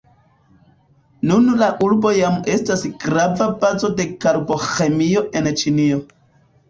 Nun la urbo jam estas grava bazo de Karbo-ĥemio en Ĉinio.